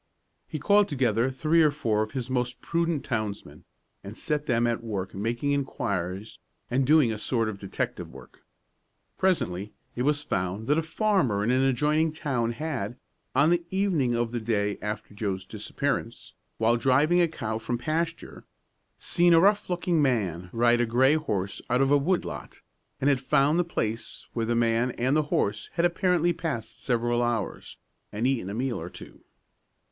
He called together three or four of his most prudent townsmen, and set them at work making inquiries and doing a sort of detective work. Presently it was found that a farmer in an adjoining town had, on the evening of the day after Joe's disappearance, while driving a cow from pasture, seen a rough looking man ride a gray horse out of a wood lot, and had found the place where the man and the horse had apparently passed several hours, and eaten a meal or two.